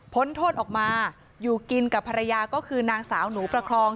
โทษออกมาอยู่กินกับภรรยาก็คือนางสาวหนูประคอง